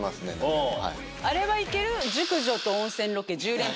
あれは行ける？